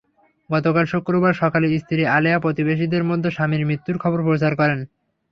গতকাল শুক্রবার সকালে স্ত্রী আলেয়া প্রতিবেশীদের মধ্যে স্বামীর মৃত্যুর খবর প্রচার করেন।